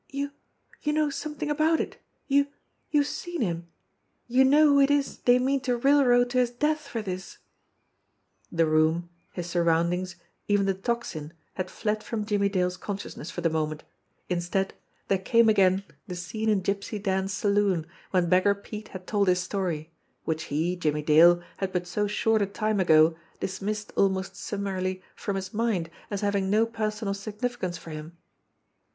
"You you know some thing about it ! You you've seen him ! You know who it is they mean to railroad to his death for this?" The room, his surroundings, even the Tocsin, had fled from Jimmie Dale's consciousness for the moment; instead, there came again the scene in Gypsy Dan's saloon, when Beg gar Pete had told his story, which he, Jimmie Dale, had but so short a time ago dismissed almost summarily from his mind as having no personal significance for him.